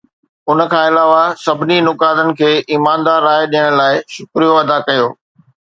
ان کان علاوه، سڀني نقادن کي ايماندار راء ڏيڻ لاء شڪريو ادا ڪيو.